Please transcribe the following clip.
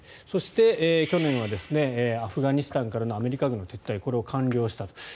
そして、去年はアフガニスタンからのアメリカ軍撤退これを完了したと。